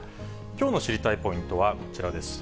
きょうの知りたいポイントはこちらです。